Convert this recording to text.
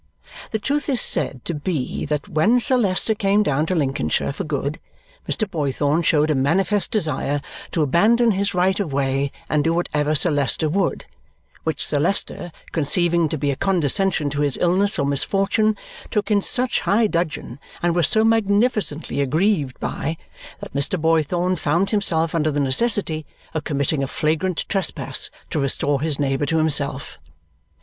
The truth is said to be that when Sir Leicester came down to Lincolnshire for good, Mr. Boythorn showed a manifest desire to abandon his right of way and do whatever Sir Leicester would, which Sir Leicester, conceiving to be a condescension to his illness or misfortune, took in such high dudgeon, and was so magnificently aggrieved by, that Mr. Boythorn found himself under the necessity of committing a flagrant trespass to restore his neighbour to himself.